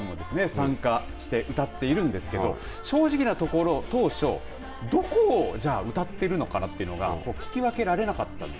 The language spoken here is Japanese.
参加して歌っているんですけれども正直なところ当初どこをじゃあ歌っているのかというのが聞き分けられなかったんです。